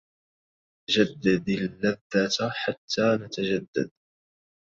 جدد اللذة حتى نتجدد